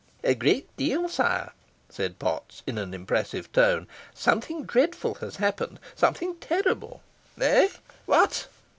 "A great deal, sire," said Potts, in an impressive tone. "Something dreadful has happened something terrible." "Eh! what?"